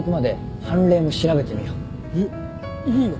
えっいいの？